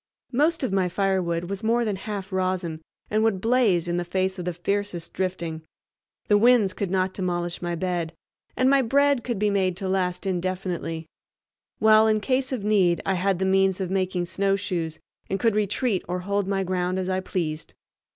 Most of my firewood was more than half rosin and would blaze in the face of the fiercest drifting; the winds could not demolish my bed, and my bread could be made to last indefinitely; while in case of need I had the means of making snowshoes and could retreat or hold my ground as I pleased.